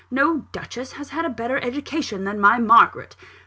No duchess has had a better education than my Margaret!